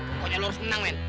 pokoknya lo harus menang men